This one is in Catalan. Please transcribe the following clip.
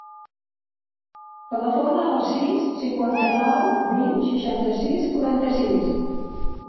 Telefona al sis, cinquanta-nou, vint, seixanta-sis, quaranta-sis.